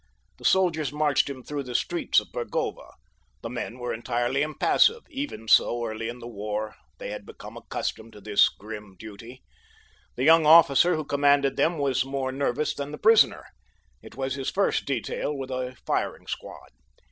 The soldiers marched him through the streets of Burgova. The men were entirely impassive—even so early in the war they had become accustomed to this grim duty. The young officer who commanded them was more nervous than the prisoner—it was his first detail with a firing squad.